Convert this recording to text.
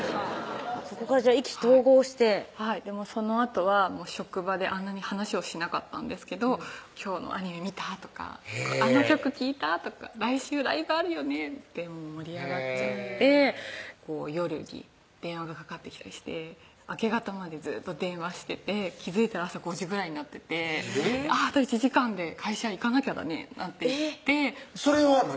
そこから意気投合してはいそのあとは職場であんなに話をしなかったんですけど「今日のアニメ見た？」とか「あの曲聴いた？」とか「来週ライブあるよね」って盛り上がっちゃって夜に電話がかかってきたりして明け方までずっと電話してて気付いたら朝５時ぐらいになってて「あと１時間で会社行かなきゃだね」なんて言ってそれは何？